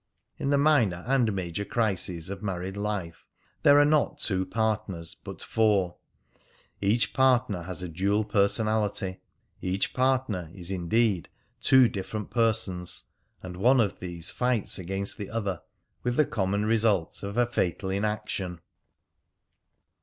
In the minor and major crises of married life there are not two partners but four; each partner has a dual personality; each partner is indeed two different persons, and one of these fights against the other, with the common result of a fatal inaction.